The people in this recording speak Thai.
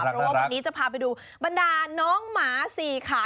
เพราะว่าวันนี้จะพาไปดูบรรดาน้องหมาสี่ขา